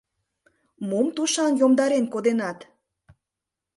— Мом тушан йомдарен коденат?